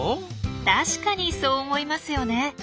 確かにそう思いますよね。